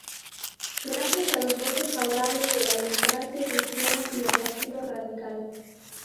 Gracias a los votos favorables de la Democracia Cristiana y el Partido Radical.